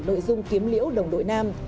nội dung kiếm liễu đồng đội nam